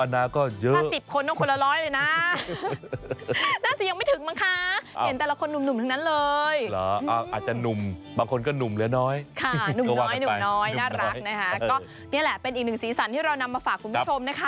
น้อยน่ารักนะฮะก็เนี่ยแหละเป็นอีกหนึ่งสีสันที่เรานำมาฝากคุณผู้ชมนะคะ